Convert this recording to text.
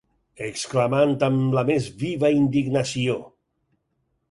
...exclamant amb la més viva indignació.